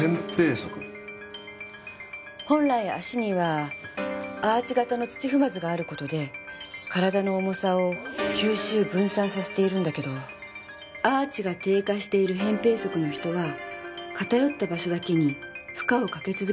本来足にはアーチ形の土踏まずがある事で体の重さを吸収分散させているんだけどアーチが低下している扁平足の人は偏った場所だけに負荷をかけ続けてしまう。